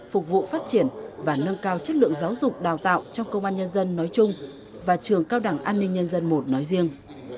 phục vụ phát triển và nâng cao chất lượng giáo dục đào tạo trong công an nhân dân nói chung và trường cao đẳng an ninh nhân dân i nói riêng